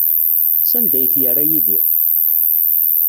Sanda ay t-yerra Yidir?